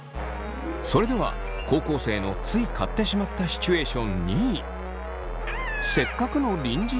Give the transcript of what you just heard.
それでは高校生のつい買ってしまったシチュエーション２位。